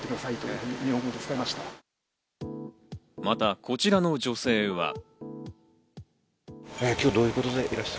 また、こちらの女性は。